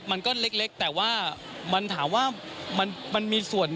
มันก็เล็กแต่ว่ามันถามว่ามันมีส่วน